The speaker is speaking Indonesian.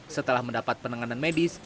setelah mendapat penanganan medis